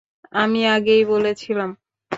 আমি আগেই বলেছিলাম?